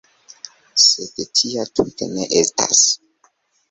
Sed tia tute ne estas.